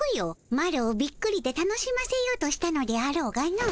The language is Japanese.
マロをびっくりで楽しませようとしたのであろうがの